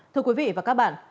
thưa quý vị và các bạn